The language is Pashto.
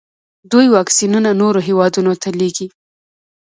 دوی واکسینونه نورو هیوادونو ته لیږي.